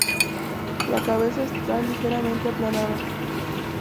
La cabeza está ligeramente aplanada.